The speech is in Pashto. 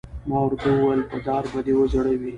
ما ورته وویل: په دار به دې وځړوي.